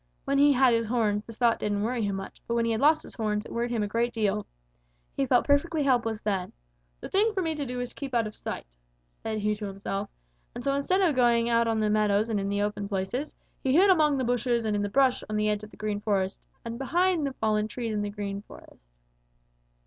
When he had his horns, this thought didn't worry him much, but when he had lost his horns, it worried him a great deal. He felt perfectly helpless then. 'The thing for me to do is to keep out of sight,' said he to himself, and so instead of going out on the meadows and in the open places, he hid among the bushes and in the brush on the edge of the Green Forest and behind the fallen trees in the Green Forest.